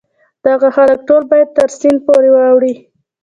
دغه خلک ټول باید تر سیند پورې واوړي.